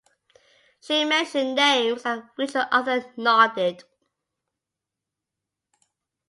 She mentioned names at which the other nodded.